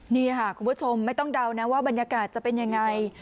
นี่ค่ะคุณผู้ชมไม่ต้องเดานะว่าบรรยากาศจะเป็นยังไง